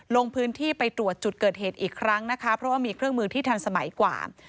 ลงพื้นที่ไปตรวจจุดเกิดเหตุอีกครั้งนะคะเพราะว่ามีเครื่องมือที่ทันสมัยกว่า